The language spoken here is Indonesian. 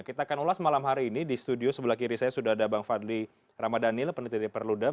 kita akan ulas malam hari ini di studio sebelah kiri saya sudah ada bang fadli ramadhanil peneliti dari perludem